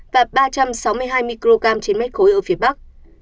và ba trăm sáu mươi hai microgram trên mét khối ở phía bắc